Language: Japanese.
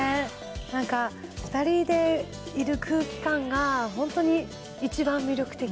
なんか２人でいる空気感が、本当に一番魅力的。